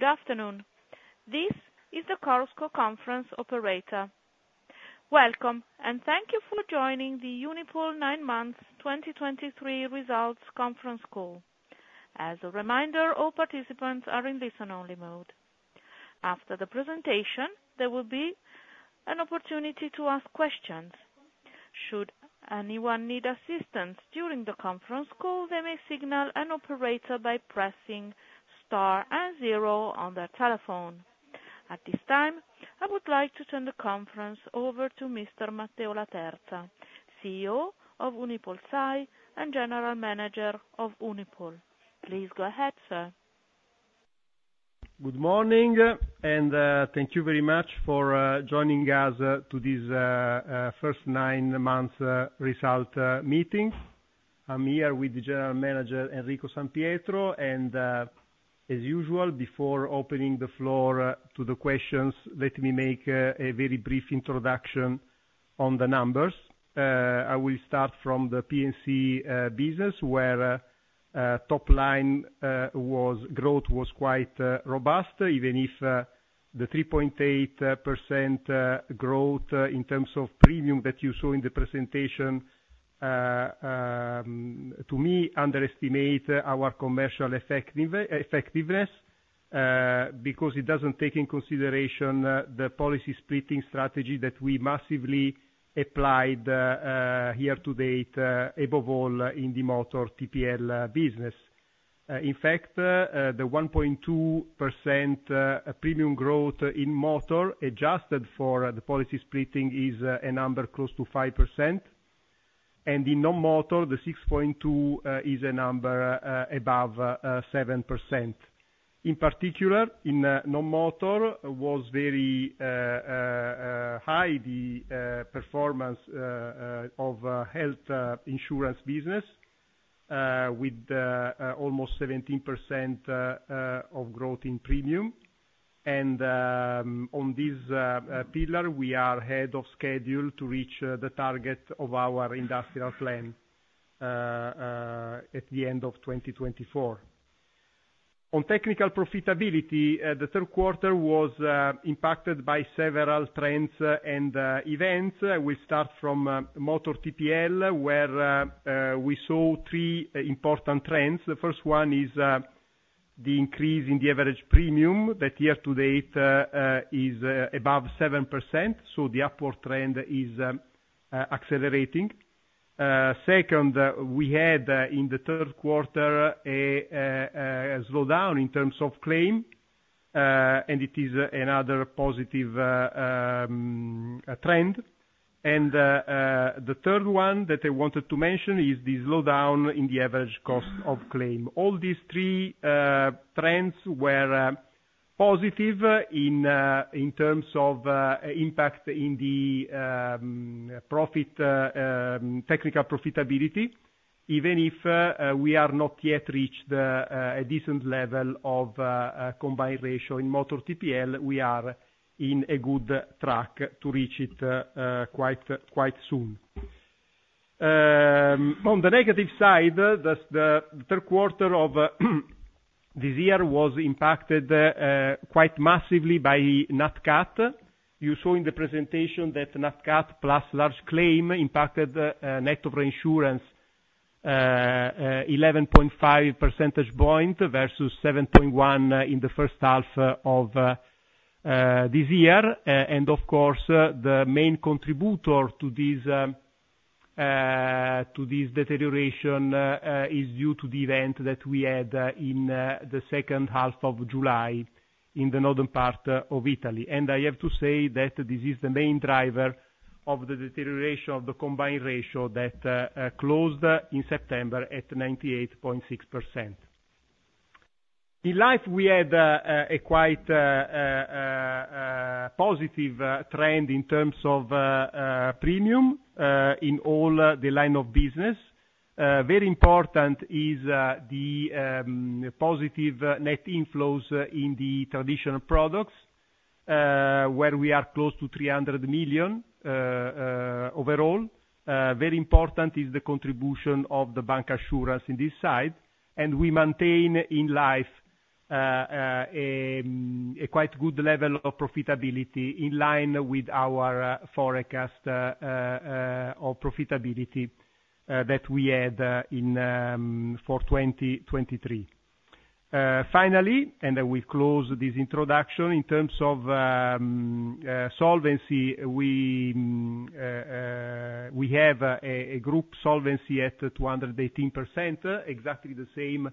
Good afternoon. This is the Chorus Call operator. Welcome, and thank you for joining the Unipol 9 months 2023 results conference call. As a reminder, all participants are in listen-only mode. After the presentation, there will be an opportunity to ask questions. Should anyone need assistance during the conference call, they may signal an operator by pressing Star and zero on their telephone. At this time, I would like to turn the conference over to Mr. Matteo Laterza, CEO of UnipolSai, and General Manager of Unipol. Please go ahead, sir. Good morning, and thank you very much for joining us to this first nine months result meeting. I'm here with the General Manager, Enrico San Pietro, and as usual, before opening the floor to the questions, let me make a very brief introduction on the numbers. I will start from the P&C business, where top line growth was quite robust, even if the 3.8% growth in terms of premium that you saw in the presentation to me underestimate our commercial effectiveness because it doesn't take in consideration the policy splitting strategy that we massively applied here to date above all in the motor TPL business. In fact, the 1.2% premium growth in motor, adjusted for the policy splitting, is a number close to 5%, and in non-motor, the 6.2 is a number above 7%. In particular, in non-motor was very high, the performance of health insurance business with almost 17% of growth in premium. On this pillar, we are ahead of schedule to reach the target of our industrial plan at the end of 2024. On technical profitability, the third quarter was impacted by several trends and events. We start from Motor TPL, where we saw three important trends. The first one is, the increase in the average premium that, year to date, is, above 7%, so the upward trend is, accelerating. Second, we had, in the third quarter, a, a slowdown in terms of claim, and it is another positive, trend. And, the third one that I wanted to mention is the slowdown in the average cost of claim. All these three trends were, positive in, in terms of, impact in the, profit, technical profitability. Even if, we are not yet reached, a decent level of, combined ratio in Motor TPL, we are in a good track to reach it, quite, quite soon. On the negative side, the third quarter of this year was impacted quite massively by gnat catcher. You saw in the presentation that nat cat plus large claim impacted net reinsurance 11.5 percentage point versus 7.1 in the first half of this year. And of course, the main contributor to this deterioration is due to the event that we had in the second half of July in the northern part of Italy. And I have to say that this is the main driver of the deterioration of the combined ratio that closed in September at 98.6%. In Life, we had a quite positive trend in terms of premium in all the line of business. Very important is the positive net inflows in the traditional products, where we are close to 300 million overall. Very important is the contribution of the bancassurance in this side, and we maintain in Life a quite good level of profitability in line with our forecast of profitability that we had for 2023. Finally, and I will close this introduction, in terms of solvency, we have a group solvency at 218%, exactly the same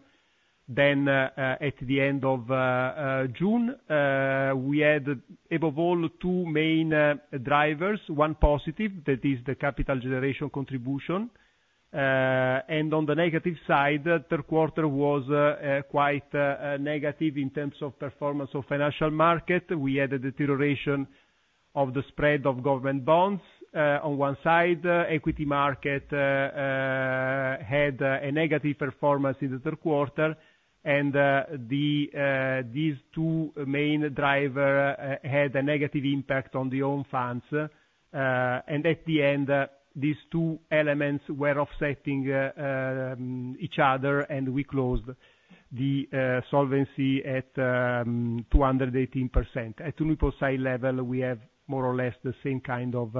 than at the end of June. We had, above all, two main drivers, one positive, that is the capital generation contribution, and on the negative side, the third quarter was quite negative in terms of performance of financial market. We had a deterioration of the spread of government bonds. On one side, equity market had a negative performance in the third quarter, and these two main driver had a negative impact on the own funds, and at the end, these two elements were offsetting each other, and we closed the solvency at 218%. At UnipolSai level, we have more or less the same kind of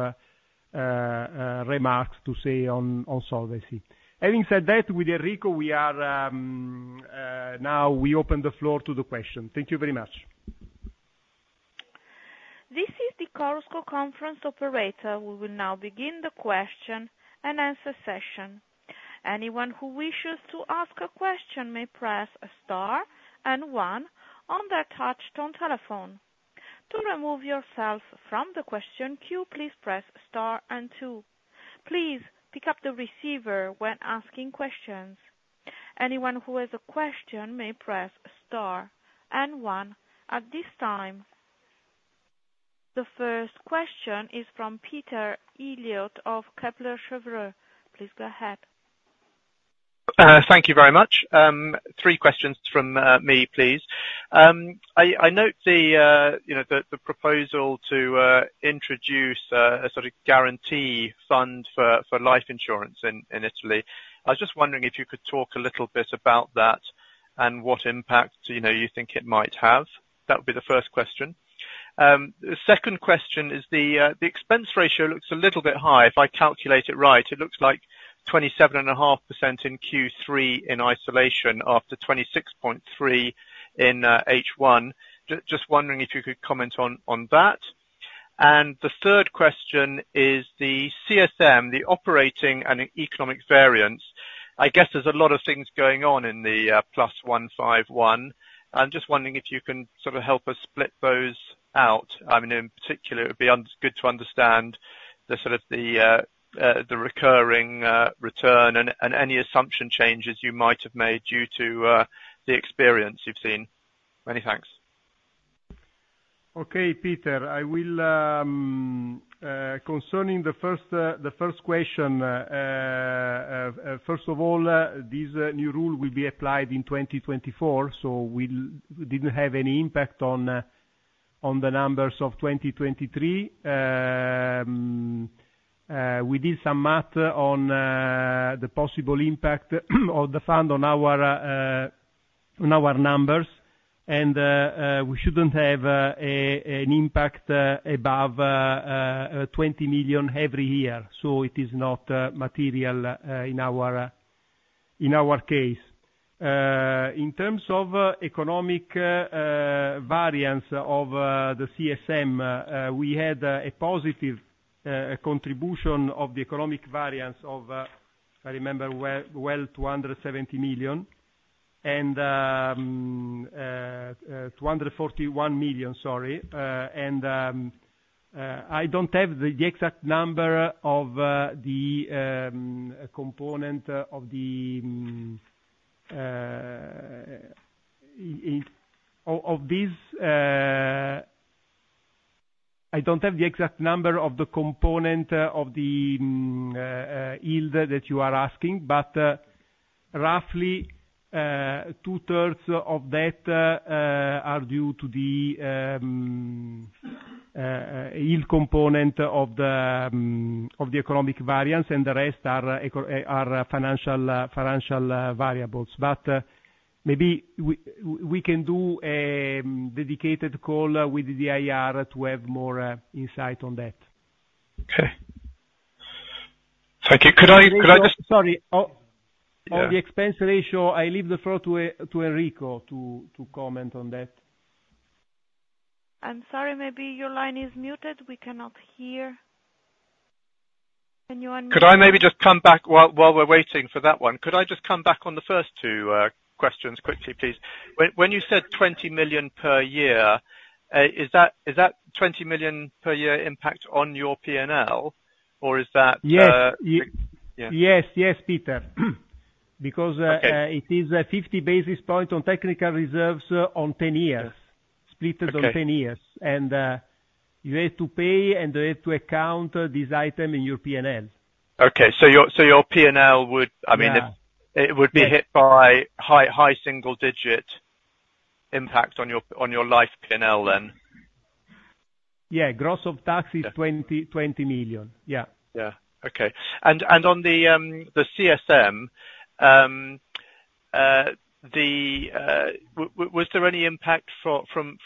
remarks to say on solvency. Having said that, with Enrico, we are now we open the floor to the question. Thank you very much. This is the Chorus Call conference operator. We will now begin the question and answer session. Anyone who wishes to ask a question may press star and one on their touch tone telephone. To remove yourself from the question queue, please press star and two. Please pick up the receiver when asking questions. Anyone who has a question may press star and one. At this time, the first question is from Peter Eliot of Kepler Cheuvreux. Please go ahead. Thank you very much. Three questions from me, please. I note the, you know, the proposal to introduce a sort of guarantee fund for life insurance in Italy. I was just wondering if you could talk a little bit about that and what impact, you know, you think it might have. That would be the first question. The second question is the expense ratio looks a little bit high. If I calculate it right, it looks like 27.5% in Q3 in isolation, after 26.3 in H1. Just wondering if you could comment on that. And the third question is the CSM, the operating and economic variance. I guess there's a lot of things going on in the +151. I'm just wondering if you can sort of help us split those out. I mean, in particular, it would be good to understand the sort of the recurring return and any assumption changes you might have made due to the experience you've seen. Many thanks. Okay, Peter, I will, concerning the first, the first question, first of all, this new rule will be applied in 2024, so we didn't have any impact on the numbers of 2023. We did some math on the possible impact of the fund on our numbers, and we shouldn't have an impact above 20 million every year, so it is not material in our case. In terms of economic variance of the CSM, we had a positive contribution of the economic variance of, I remember, well, 270 million, and 241 million, sorry. I don't have the exact number of the component of the yield that you are asking, but roughly, two thirds of that are due to the yield component of the economic variance, and the rest are financial variables. But maybe we can do a dedicated call with the IR to have more insight on that. Okay. Thank you. Could I just- Sorry. Oh! Yeah. On the expense ratio, I leave the floor to Enrico to comment on that. I'm sorry, maybe your line is muted. We cannot hear anyone. Could I maybe just come back while we're waiting for that one, could I just come back on the first two questions quickly, please? When you said 20 million per year, is that, is that 20 million per year impact on your PNL, or is that, Yes. Yeah. Yes, Peter. Okay Because, it is a 50 basis point on technical reserves on 10 years- Okay. Split it on 10 years, and you have to pay, and you have to account this item in your PNL. Okay, so your PNL would, I mean- Yeah. It would be hit by high, high single digit impact on your, on your life PNL then? Yeah. Gross of tax is, 20 million. Yeah. Yeah. Okay. And on the CSM, was there any impact from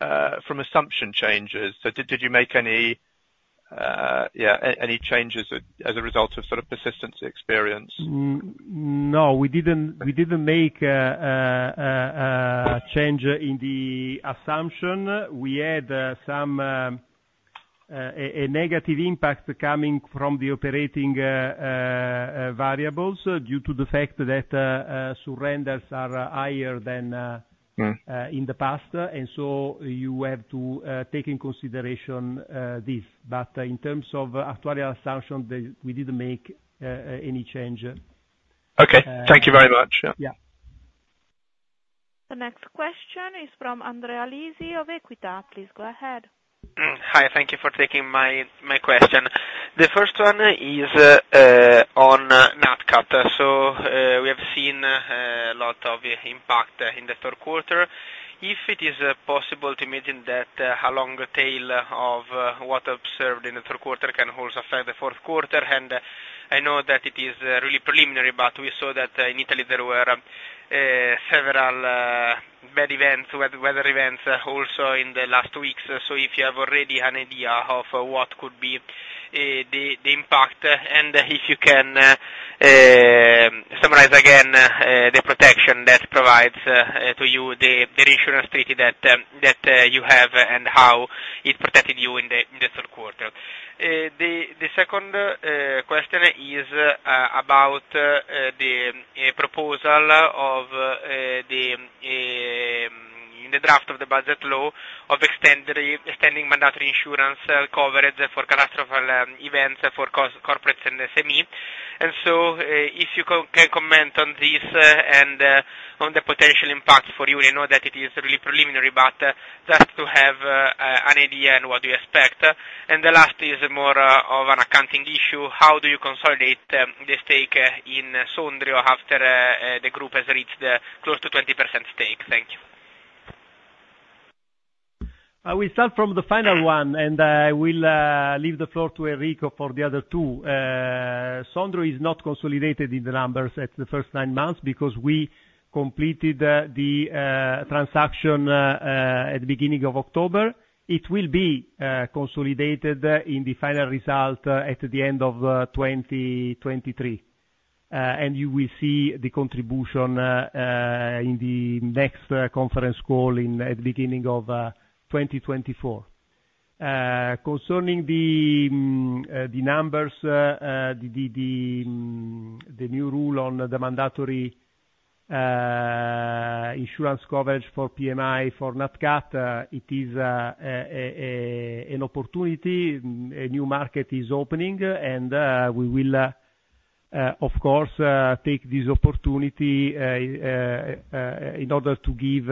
assumption changes? So did you make any changes as a result of sort of persistency experience? No, we didn't make a change in the assumption. We had some negative impact coming from the operating variables, due to the fact that surrenders are higher than- Mm in the past. And so you have to take in consideration this. But in terms of actual assumption, we didn't make any change. Okay. Thank you very much. Yeah. The next question is from Andrea Lisi of Equita. Please go ahead. Hi, thank you for taking my question. The first one is on gnat catcher. So, we have seen a lot of impact in the third quarter.... If it is possible to imagine that how long a tail of what observed in the third quarter can also affect the fourth quarter? And I know that it is really preliminary, but we saw that in Italy, there were several bad events, weather events also in the last weeks. So if you have already an idea of what could be the impact, and if you can summarize again the protection that provides to you, the reinsurance treaty that you have, and how it protected you in the third quarter. The second question is about the proposal of the draft of the budget law of extending mandatory insurance coverage for catastrophic events for corporates and SME. And so, if you can comment on this, and on the potential impact for you, I know that it is really preliminary, but just to have an idea on what you expect. And the last is more of an accounting issue: How do you consolidate the stake in Sondrio after the group has reached close to 20% stake? Thank you. We start from the final one, and I will leave the floor to Enrico for the other two. Sondrio is not consolidated in the numbers at the first nine months because we completed the transaction at the beginning of October. It will be consolidated in the final result at the end of 2023, and you will see the contribution in the next conference call at the beginning of 2024. Concerning the numbers, the new rule on the mandatory insurance coverage for PMI, for nat cat, it is an opportunity. A new market is opening, and we will of course in order to give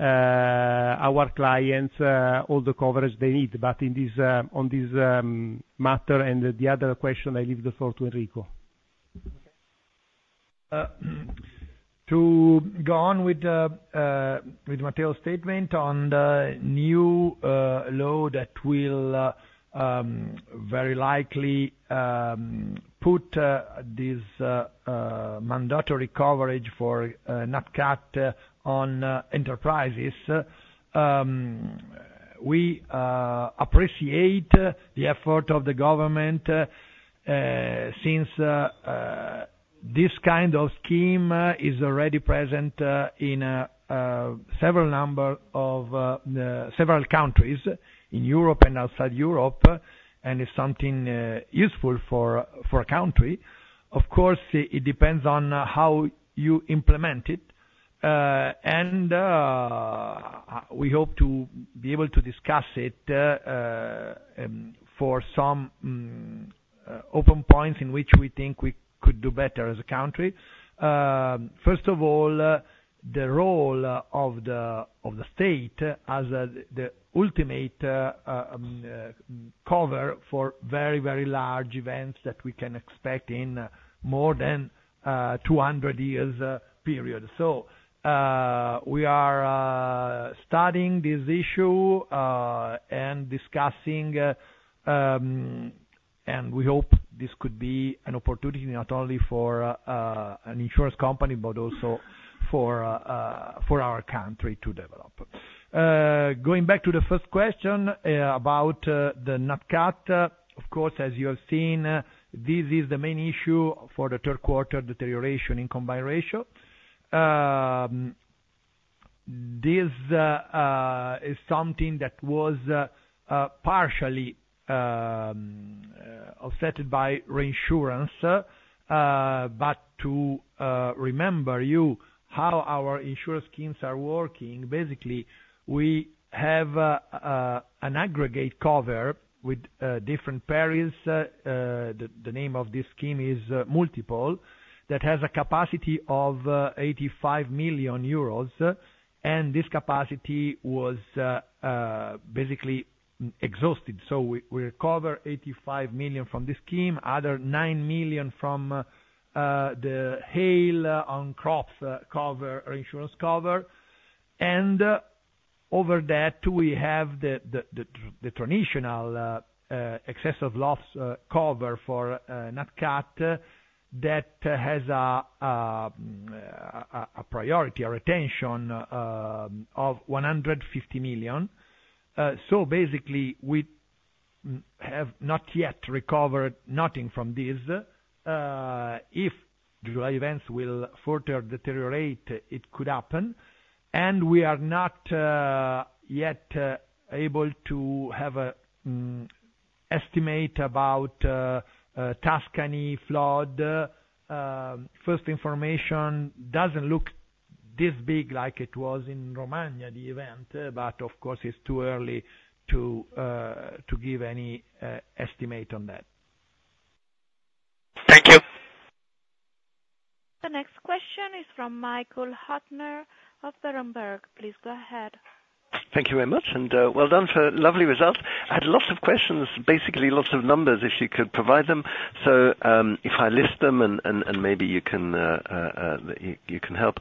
our clients all the coverage they need. But on this matter and the other question, I leave the floor to Enrico. To go on with Matteo's statement on the new law that will very likely put this mandatory coverage for nat cat on enterprises, we appreciate the effort of the government, since this kind of scheme is already present in several number of several countries in Europe and outside Europe, and it's something useful for a country. Of course, it depends on how you implement it, and we hope to be able to discuss it for some open points in which we think we could do better as a country. First of all, the role of the state as the ultimate cover for very, very large events that we can expect in more than 200 years period. So, we are studying this issue and discussing. And we hope this could be an opportunity not only for an insurance company, but also for our country to develop. Going back to the first question, about the gnat catcher. Of course, as you have seen, this is the main issue for the third quarter deterioration in combined ratio. This is something that was partially offset by reinsurance, but to remember you how our insurance schemes are working, basically, we have an aggregate cover with different parties. The name of this scheme is Multiple, that has a capacity of 85 million euros, and this capacity was basically exhausted. So we recover 85 million from this scheme, other 9 million from the hail on crops cover, reinsurance cover. And over that, we have the traditional excessive loss cover for nat cat, that has a priority, a retention of 150 million. So basically, we have not yet recovered nothing from this. If the events will further deteriorate, it could happen, and we are not yet able to have an estimate about Tuscany flood. First information doesn't look this big like it was in Romania, the event, but of course it's too early to give any estimate on that. Thank you. The next question is from Michael Huttner of Berenberg. Please go ahead. Thank you very much, and, well done for lovely results. I had lots of questions, basically, lots of numbers, if you could provide them. So, if I list them and maybe you can help.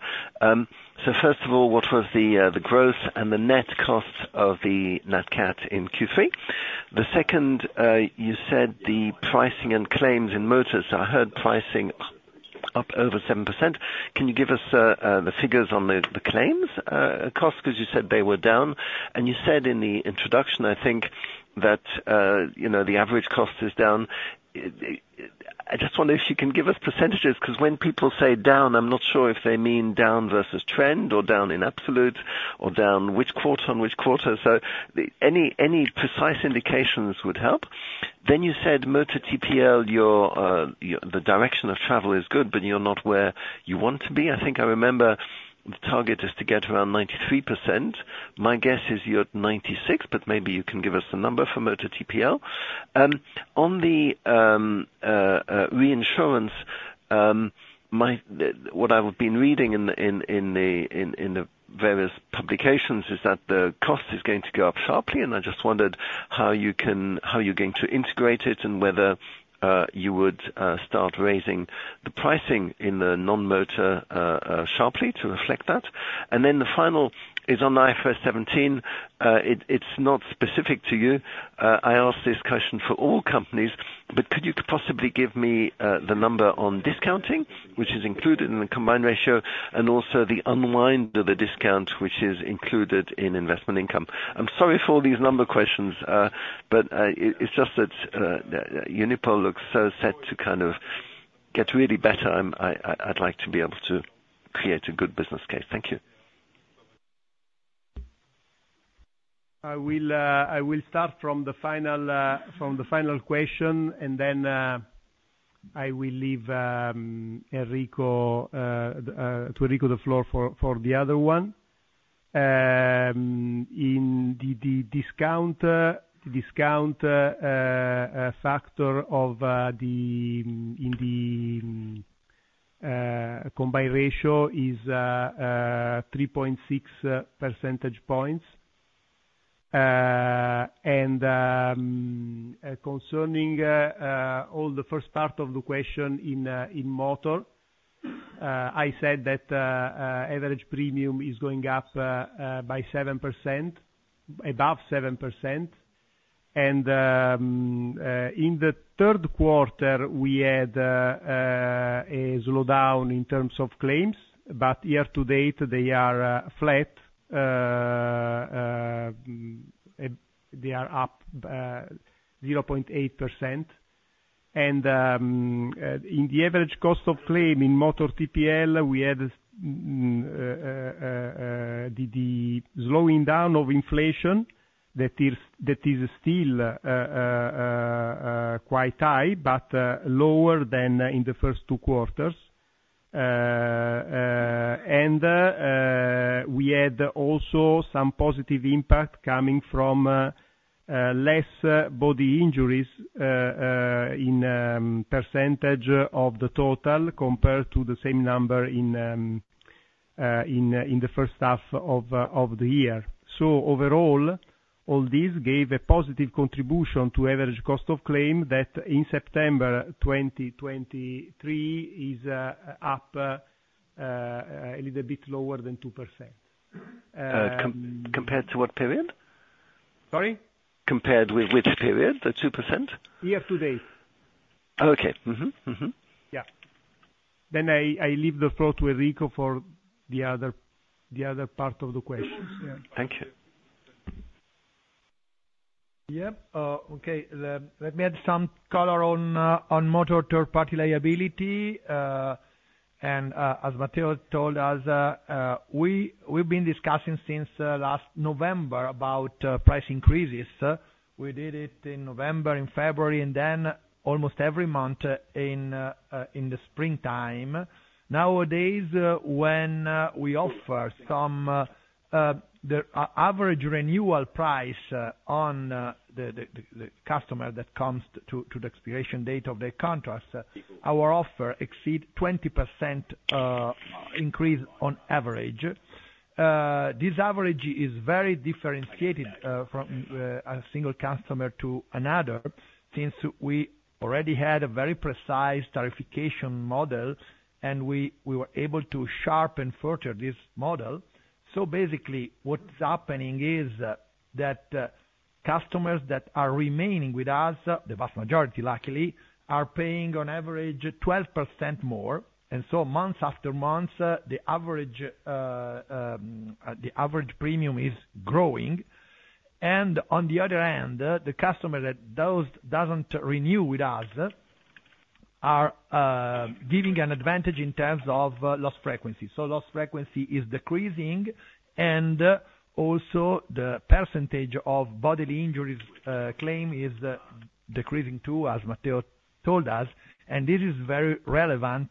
So first of all, what was the growth and the net cost of the nat cat in Q3? The second, you said the pricing and claims in motors, I heard pricing up over 7%. Can you give us the figures on the claims cost? Because you said they were down, and you said in the introduction, I think, that, you know, the average cost is down. I just wonder if you can give us percentages, 'cause when people say down, I'm not sure if they mean down versus trend or down in absolute or down which quarter on which quarter. So any precise indications would help. Then you said Motor TPL, you're the direction of travel is good, but you're not where you want to be. I think I remember the target is to get around 93%. My guess is you're at 96, but maybe you can give us the number for Motor TPL. On the reinsurance, what I've been reading in the various publications is that the cost is going to go up sharply, and I just wondered how you can—how you're going to integrate it, and whether you would start raising the pricing in the non-motor sharply to reflect that. And then the final is on IFRS 17. It's not specific to you. I ask this question for all companies, but could you possibly give me the number on discounting, which is included in the combined ratio, and also the unwind of the discount, which is included in investment income? I'm sorry for all these number questions, but it's just that Unipol looks so set to kind of get really better. I'd like to be able to create a good business case. Thank you. I will start from the final question, and then I will leave Enrico the floor for the other one. In the discount factor in the combined ratio is 3.6 percentage points. And concerning all the first part of the question in motor, I said that average premium is going up by 7%, above 7%. And in the third quarter, we had a slowdown in terms of claims, but year to date, they are flat. They are up 0.8%. In the average cost of claim in Motor TPL, we had the slowing down of inflation that is still quite high, but lower than in the first two quarters. And we had also some positive impact coming from less body injuries in percentage of the total, compared to the same number in the first half of the year. So overall, all these gave a positive contribution to average cost of claim that in September 2023 is up a little bit lower than 2%. Compared to what period? Sorry? Compared with which period, the 2%? Year to date. Okay. Mm-hmm. Mm-hmm. Yeah. Then I leave the floor to Enrico for the other part of the question. Yeah. Thank you. Yeah. Okay. Let me add some color on motor third-party liability, and as Matteo told us, we've been discussing since last November about price increases. We did it in November, in February, and then almost every month in the springtime. Nowadays, when we offer the average renewal price on the customer that comes to the expiration date of the contract, our offer exceed 20% increase on average. This average is very differentiated from a single customer to another, since we already had a very precise tariffication model, and we were able to sharpen further this model. So basically, what's happening is that, customers that are remaining with us, the vast majority, luckily, are paying on average 12% more, and so months after months, the average premium is growing. And on the other hand, the customer that doesn't renew with us are giving an advantage in terms of loss frequency. So loss frequency is decreasing, and also the percentage of bodily injuries claim is decreasing too, as Matteo told us, and this is very relevant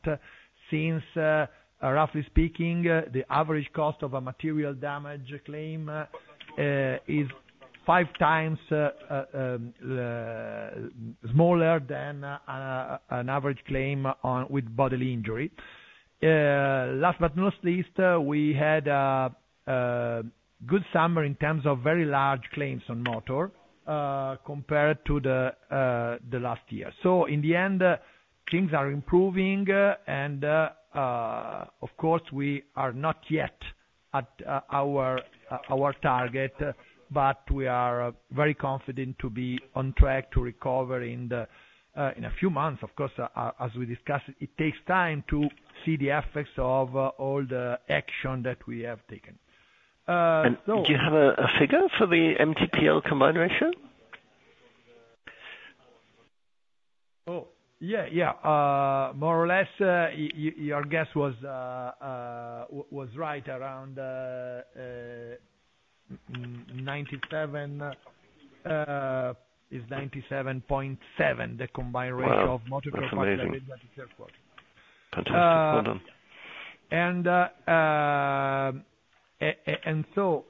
since, roughly speaking, the average cost of a material damage claim is five times smaller than an average claim with bodily injury. Last but not least, we had a good summer in terms of very large claims on motor, compared to the last year. In the end, things are improving, and, of course, we are not yet at our target, but we are very confident to be on track to recover in a few months. Of course, as we discussed, it takes time to see the effects of all the action that we have taken. So- Do you have a figure for the MTPL combined ratio? Oh, yeah, yeah. More or less, your guess was right around 97, it's 97.7, the combined ratio- Wow! of motor third party liability. That's amazing. Fantastic. Well done. So,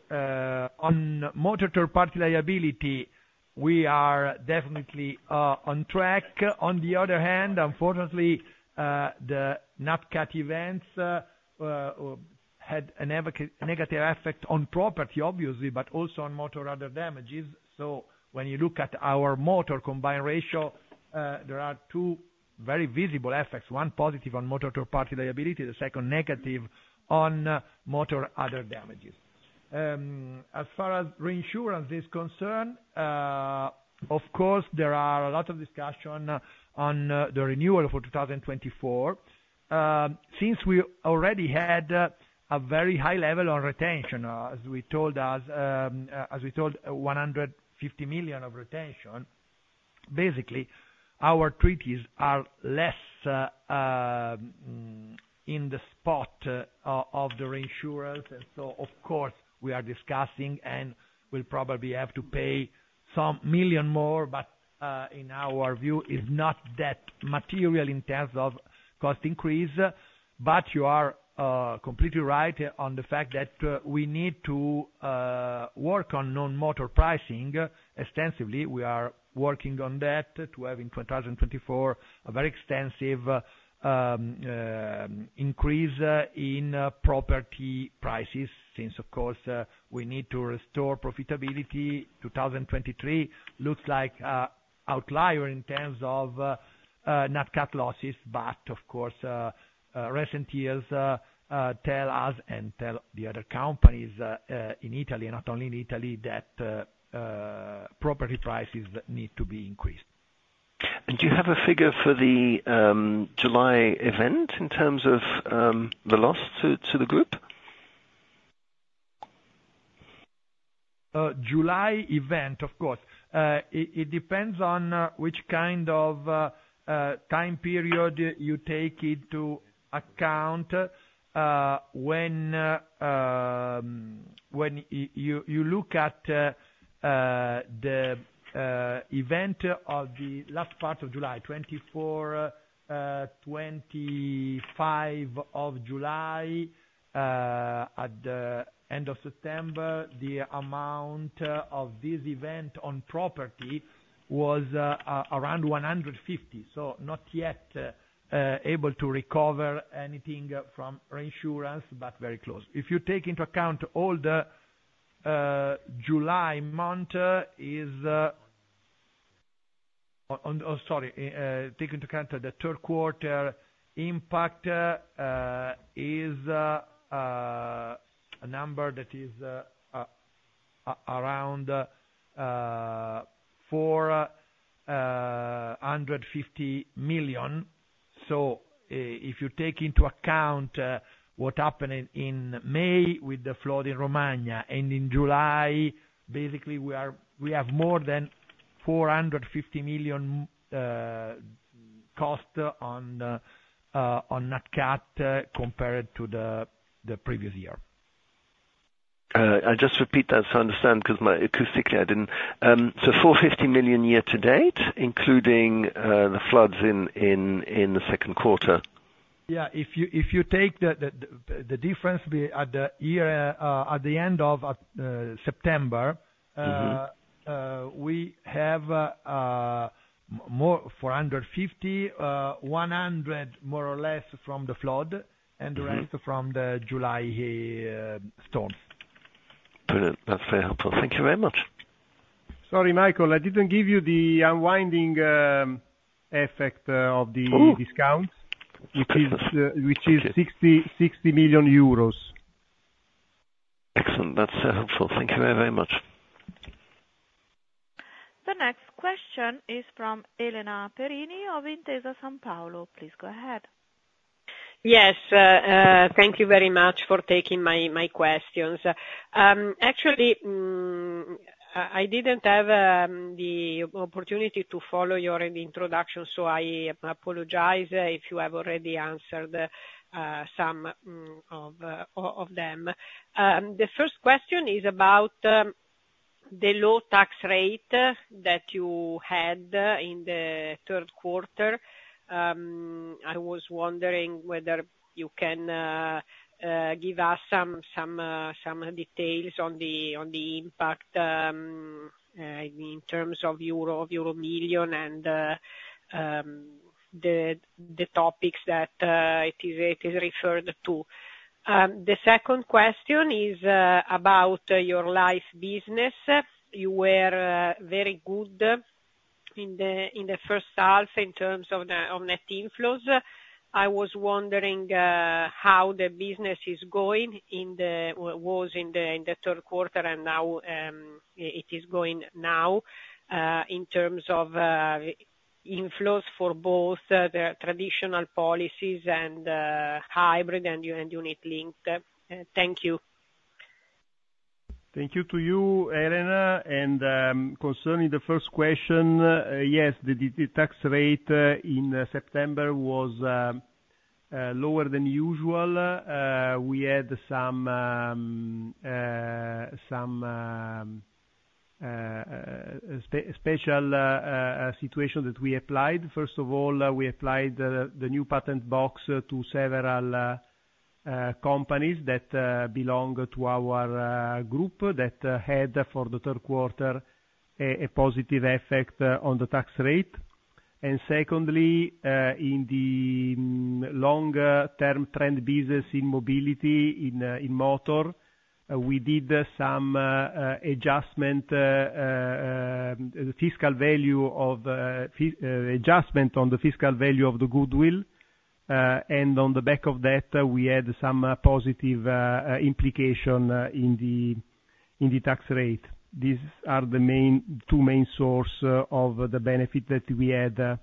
on motor third party liability, we are definitely on track. On the other hand, unfortunately, the nat cat events had a negative effect on property, obviously, but also on motor other damages. So when you look at our motor combined ratio, there are two very visible effects: one positive on motor third party liability, the second negative on motor other damages. As far as reinsurance is concerned, of course, there are a lot of discussion on the renewal for 2024. Since we already had a very high level on retention, as we told us, as we told 150 million of retention, basically, our treaties are less in the spot of the reinsurance. And so, of course, we are discussing, and we'll probably have to pay some million more, but, in our view, is not that material in terms of cost increase. But you are, completely right on the fact that, we need to, work on non-motor pricing extensively. We are working on that, to have in 2024, a very extensive, increase, in, property prices, since, of course, we need to restore profitability. 2023 looks like an outlier in terms of, nat cat losses, but of course, recent years, tell us, and tell the other companies, in Italy, not only in Italy, that, property prices need to be increased. Do you have a figure for the July event, in terms of the loss to the group? July event, of course. It depends on which kind of time period you take into account. When you look at the event of the last part of July, 24, 25 of July, at the end of September, the amount of this event on property was around 150, so not yet able to recover anything from reinsurance, but very close. If you take into account all the July month... Oh, sorry. Take into account the third quarter impact, is a number that is around 450 million. So if you take into account what happened in May with the flood in Romagna and in July, basically, we have more than 450 million cost on the gnat catcher, compared to the previous year. Just repeat that, so I understand, 'cause my acoustics, I didn't So 450 million year to date, including the floods in the second quarter? Yeah. If you take the difference at the end of September- Mm-hmm we have more 450, 100 more or less from the flood- Mm-hmm -and the rest from the July storm. Brilliant. That's very helpful. Thank you very much. Sorry, Michael, I didn't give you the unwinding effect of the- Mm-hmm -discounts, which is 60 million euros. Excellent. That's helpful. Thank you very much. The next question is from Elena Perini of Intesa Sanpaolo. Please go ahead. Yes. Thank you very much for taking my questions. Actually, I didn't have the opportunity to follow your introduction, so I apologize if you have already answered some of them. The first question is about the low tax rate that you had in the third quarter. I was wondering whether you can give us some details on the impact in terms of EUR, of euro million and the topics that it is referred to. The second question is about your life business. You were very good in the first half in terms of net inflows. I was wondering how the business is going in the third quarter, and now it is going now, in terms of inflows for both the traditional policies and hybrid and unit link. Thank you. Thank you to you, Elena. Concerning the first question, yes, the tax rate in September was lower than usual. We had some special situation that we applied. First of all, we applied the new patent box to several companies that belong to our group, that had, for the third quarter, a positive effect on the tax rate. And secondly, in the longer-term trend business, in mobility, in motor, we did some adjustment on the fiscal value of the goodwill. And on the back of that, we had some positive implication in the tax rate. These are the main, two main source of the benefit that we had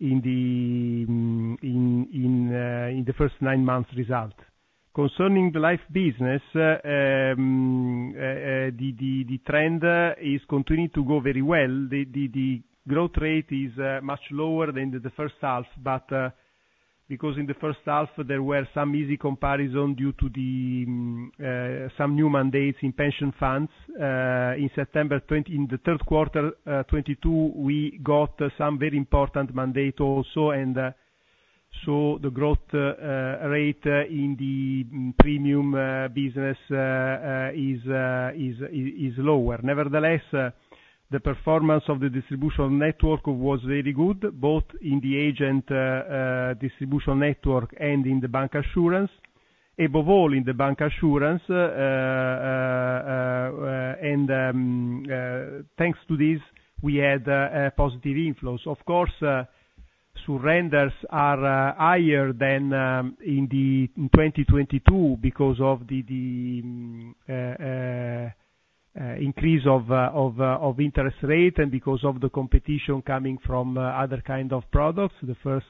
in the first nine months result. Concerning the life business, the trend is continuing to go very well. The growth rate is much lower than the first half, but because in the first half, there were some easy comparison due to the some new mandates in pension funds. In September 2022, in the third quarter, we got some very important mandate also, and so the growth rate in the premium business is lower. Nevertheless, the performance of the distribution network was very good, both in the agent distribution network and in the bancassurance. Above all in the bancassurance, thanks to this, we had a positive inflows. Of course, surrenders are higher than in 2022 because of the increase of interest rate and because of the competition coming from other kind of products. The first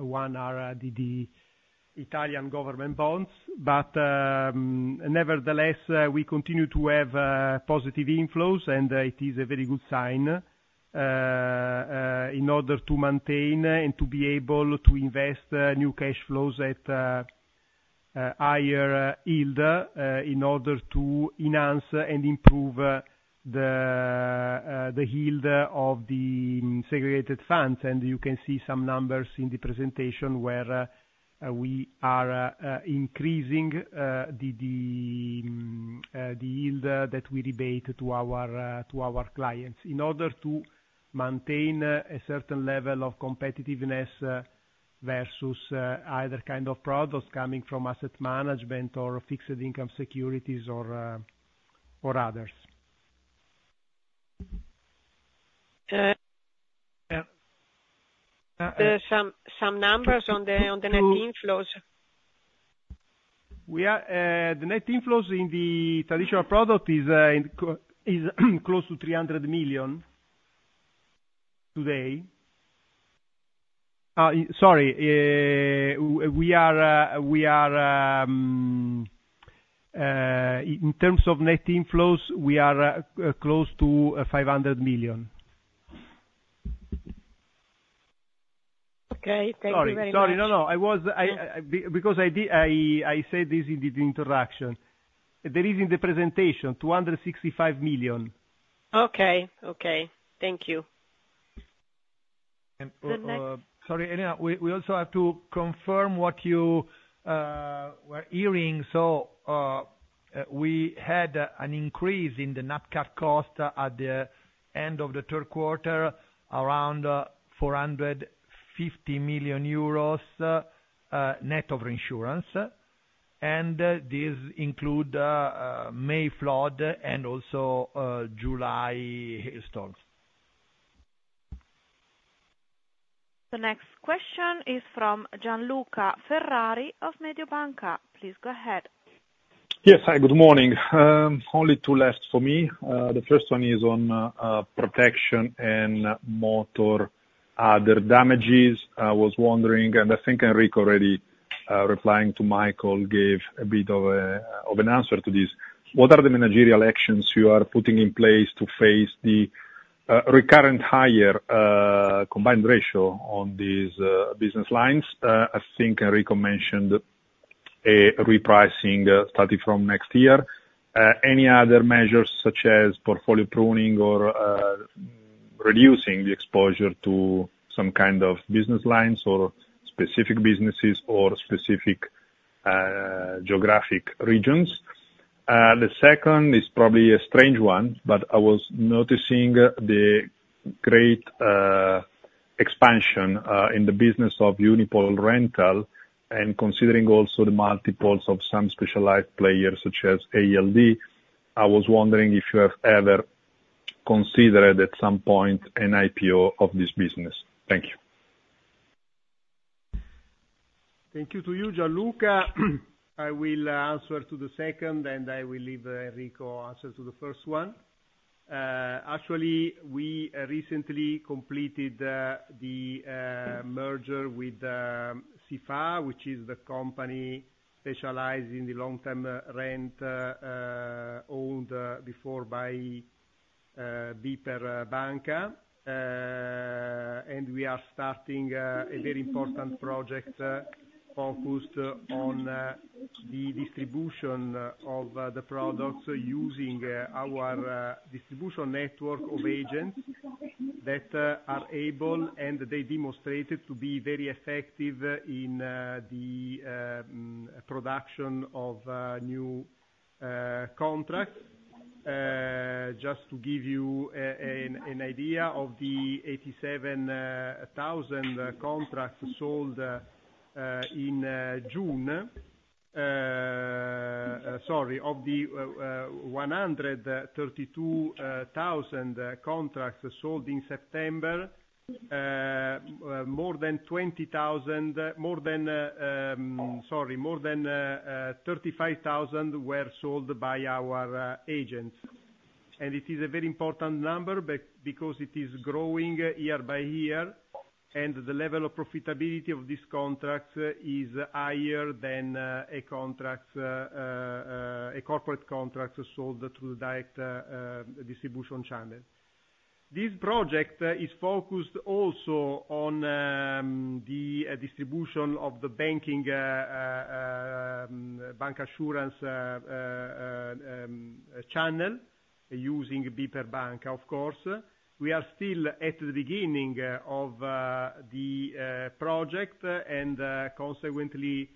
one are the Italian government bonds. But, nevertheless, we continue to have positive inflows, and it is a very good sign in order to maintain and to be able to invest new cash flows at higher yield in order to enhance and improve the yield of the segregated funds. You can see some numbers in the presentation where we are increasing the yield that we debate to our clients in order to maintain a certain level of competitiveness versus either kind of products coming from asset management or fixed income securities or others. Uh- Yeah. There are some numbers on the net inflows? We are the net inflows in the traditional product is close to 300 million today. Sorry, In terms of net inflows, we are close to 500 million. Okay. Thank you very much. Sorry, sorry. No, no, I was, because I did, I said this in the introduction. There is in the presentation, 265 million. Okay, okay. Thank you. And, uh- The next- Sorry, Elena, we also have to confirm what you were hearing. So, we had an increase in the nat cat cost at the end of the third quarter, around 450 million euros, net of insurance. And, this include May flood and also July hailstorms. The next question is from Gianluca Ferrari of Mediobanca. Please go ahead. Yes. Hi, good morning. Only two left for me. The first one is on protection and motor other damages. I was wondering, and I think Enrico already replying to Michael, gave a bit of of an answer to this: What are the managerial actions you are putting in place to face the recurrent higher combined ratio on these business lines? I think Enrico mentioned a repricing starting from next year. Any other measures such as portfolio pruning or reducing the exposure to some kind of business lines or specific businesses or specific geographic regions. The second is probably a strange one, but I was noticing the great expansion in the business of UnipolRental, and considering also the multiples of some specialized players such as ALD, I was wondering if you have ever considered, at some point, an IPO of this business? Thank you. Thank you to you, Gianluca. I will answer to the second, and I will leave Enrico answer to the first one. Actually, we recently completed the merger with SIFA, which is the company specialized in the long-term rent owned before by BPER Banca. We are starting a very important project focused on the distribution of the products, using our distribution network of agents, that are able, and they demonstrated to be very effective in the production of new contracts. Just to give you an idea of the 87,000 contracts sold in June... Sorry, of the 132,000 contracts sold in September, more than 35,000 were sold by our agents. And it is a very important number, because it is growing year by year, and the level of profitability of this contract is higher than a corporate contract sold through the direct distribution channel. This project is focused also on the distribution of the bancassurance channel, using BPER Banca, of course. We are still at the beginning of the project, and consequently,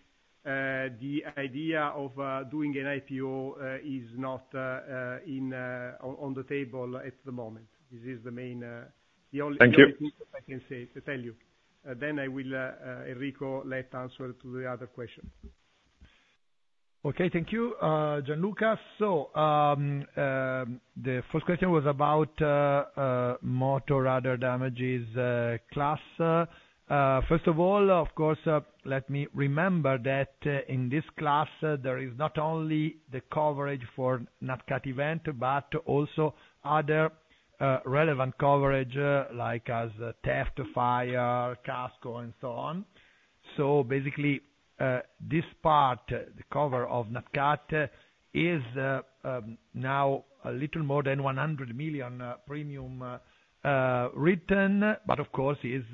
the idea of doing an IPO is not on the table at the moment. This is the main, the only- Thank you. I can say to tell you. Then I will, Enrico, let answer to the other question. Okay. Thank you, Gianluca. So, the first question was about motor other damages class. First of all, of course, let me remember that in this class, there is not only the coverage for nat cat event, but also other relevant coverage like, as theft, fire, Kasko, and so on. So basically, this part, the cover of nat cat, is now a little more than 100 million premium written, but of course is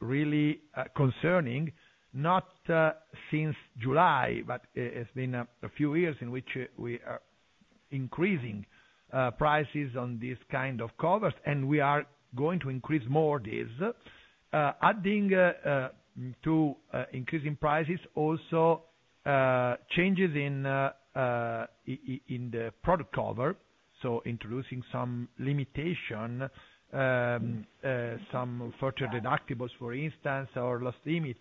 really concerning, not since July, but it's been a few years in which we are increasing prices on this kind of covers, and we are going to increase more this. Adding to increasing prices, also changes in the product cover, so introducing some limitation, some virtual deductibles, for instance, or loss limits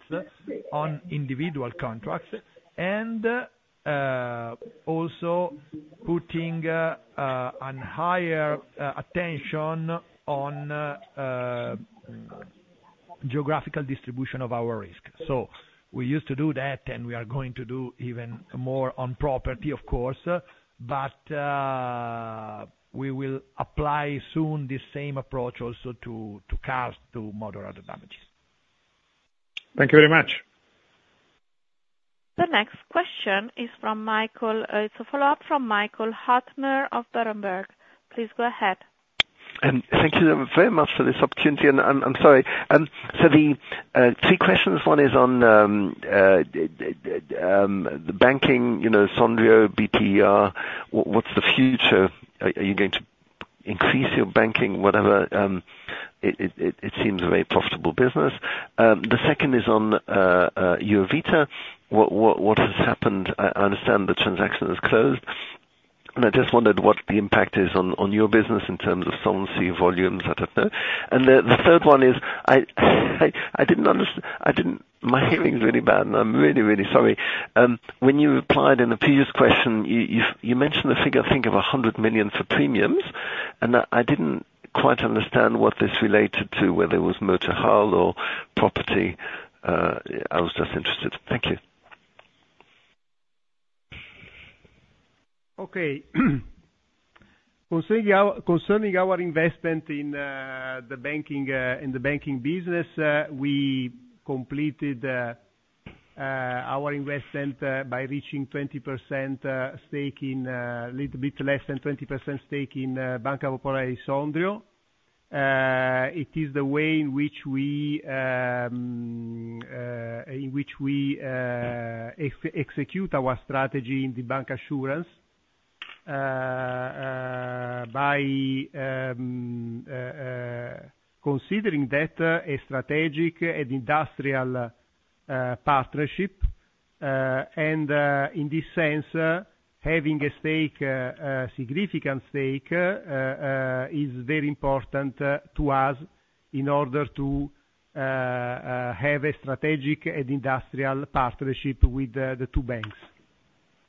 on individual contracts, and also putting a higher attention on geographical distribution of our risk. So we used to do that, and we are going to do even more on property, of course, but we will apply soon this same approach also to nat cat, to moderate the damages. Thank you very much. The next question is from Michael, it's a follow-up from Michael Huttner of Berenberg. Please go ahead. Thank you very much for this opportunity, and I'm sorry. So the three questions, one is on the banking, you know, Sondrio, BPER, what's the future? Are you going to increase your banking, whatever, it seems a very profitable business. The second is on Eurovita. What has happened? I understand the transaction is closed, and I just wondered what the impact is on your business in terms of solvency, volumes, I don't know. And the third one is, I didn't... My hearing is really bad, and I'm really sorry. When you replied in the previous question, you mentioned the figure, I think, of 100 million for premiums, and I didn't quite understand what this related to, whether it was motor hull or property. I was just interested. Thank you. Okay. Concerning our investment in the banking business, we completed our investment by reaching twenty percent stake in, little bit less than 20% stake in Banca Popolare di Sondrio. It is the way in which we execute our strategy in the bancassurance by considering that a strategic and industrial partnership, and in this sense, having a significant stake is very important to us in order to have a strategic and industrial partnership with the two banks.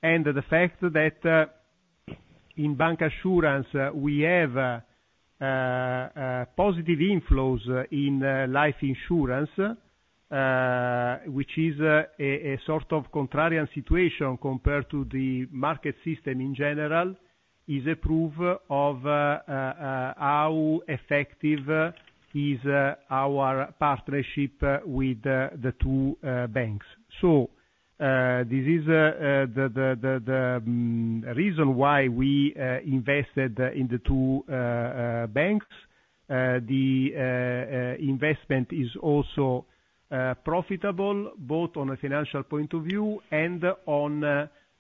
The fact that in bancassurance we have positive inflows in life insurance, which is a sort of contrarian situation compared to the market system in general, is a proof of how effective is our partnership with the two banks. So this is the reason why we invested in the two banks. The investment is also profitable, both on a financial point of view and on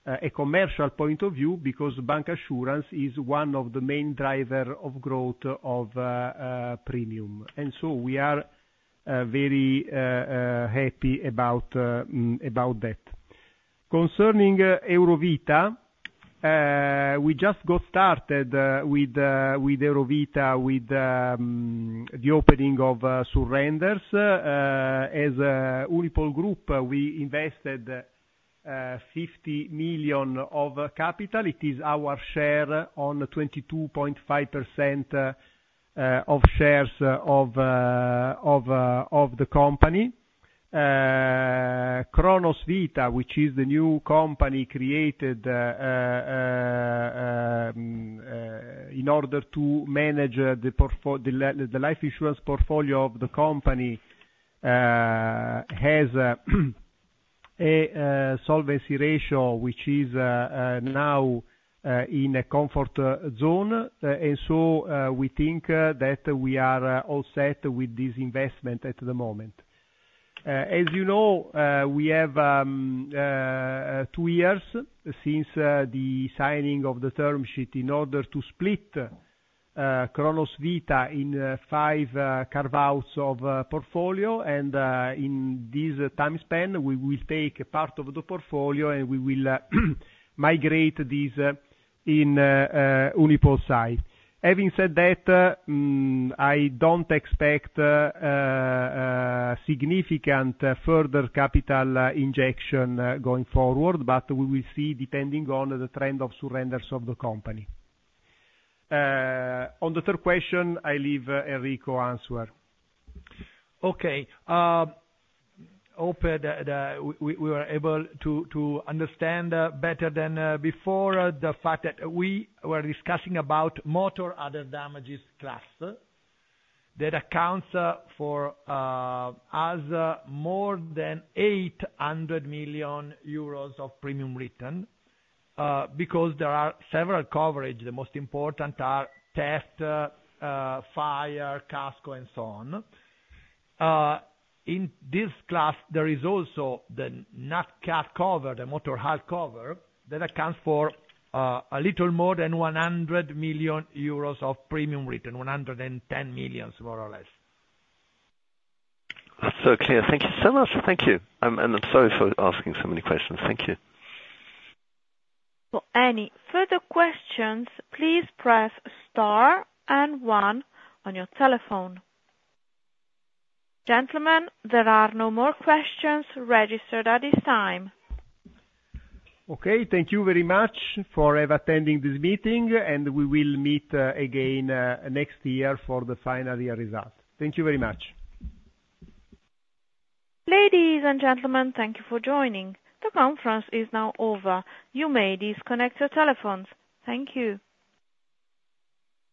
a commercial point of view, because bancassurance is one of the main driver of growth of premium, and so we are very happy about that. Concerning Eurovita, we just got started with Eurovita, with the opening of surrenders. As Unipol Group, we invested 50 million of capital. It is our share on the 22.5% of shares of the company. Cronos Vita, which is the new company created in order to manage the life insurance portfolio of the company, has a solvency ratio, which is now in a comfort zone. And so, we think that we are all set with this investment at the moment. As you know, we have two years since the signing of the term sheet in order to split Cronos Vita in five carve-outs of portfolio. And, in this time span, we will take part of the portfolio, and we will migrate this in UnipolSai. Having said that, I don't expect significant further capital injection going forward, but we will see, depending on the trend of surrenders of the company. On the third question, I leave Enrico answer. Okay, hope that we were able to understand better than before the fact that we were discussing about motor other damages class, that accounts for as more than 800 million euros of premium return, because there are several coverage. The most important are test, fire, Kasko, and so on. In this class, there is also the nat cat cover, the motor hull cover, that accounts for a little more than 100 million euros of premium return, 110 million, more or less. So clear. Thank you so much. Thank you, and, and I'm sorry for asking so many questions. Thank you. For any further questions, please press Star and One on your telephone. Gentlemen, there are no more questions registered at this time. Okay. Thank you very much for attending this meeting, and we will meet again next year for the final year results. Thank you very much. Ladies and gentlemen, thank you for joining. The conference is now over. You may disconnect your telephones. Thank you.